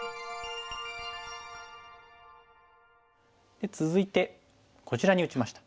で続いてこちらに打ちました。